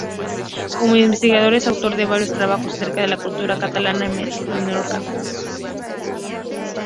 Como investigador es autor de varios trabajos acerca de la cultura catalana en Menorca.